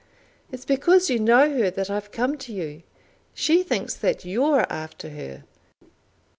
"It's because you know her that I've come to you. She thinks that you're after her."